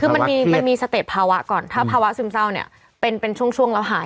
คือมันมีสเต็ปภาวะก่อนถ้าภาวะซึมเศร้าเนี่ยเป็นช่วงเราหาย